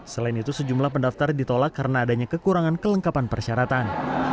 selain itu sejumlah pendaftar ditolak karena adanya kekurangan kelengkapan persyaratan